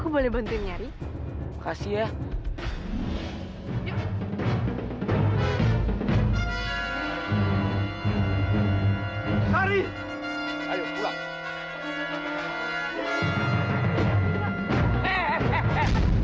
belanjin sama cewek